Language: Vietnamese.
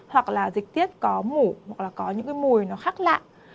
hoặc là dịch tiết có mủ hoặc là có những mùi nó khắc lạ